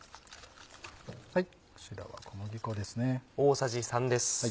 こちらは小麦粉ですね。